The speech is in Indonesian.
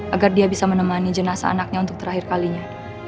agar dia bisa menemani jenazah anaknya untuk terakhir kalinya